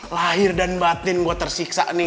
lahir dan batin gue tersiksa nih